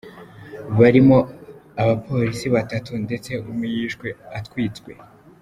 Barimo abapolisi batatu ndetse umwe yishwe atwitswe.